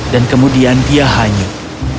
dan kemudian dia hanyut